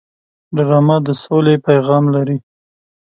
ډرامه د سولې پیغام لري